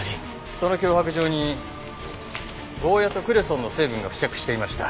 その脅迫状にゴーヤとクレソンの成分が付着していました。